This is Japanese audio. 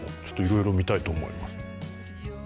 ちょっといろいろ見たいと思います。